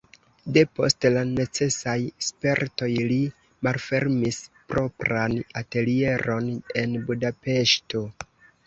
Depost la necesaj spertoj li malfermis propran atelieron en Budapeŝto.